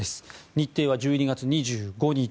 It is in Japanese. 日程は１２月２５日